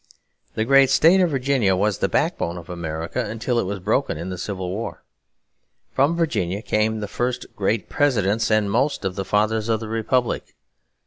The great state of Virginia was the backbone of America until it was broken in the Civil War. From Virginia came the first great Presidents and most of the Fathers of the Republic.